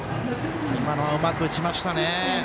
今のはうまく打ちましたね。